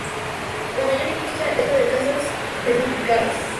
La mayor industria es la de casas prefabricadas.